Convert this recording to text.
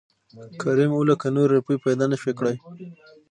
کريم اووه لکه نورې روپۍ پېدا نه شوى کړى .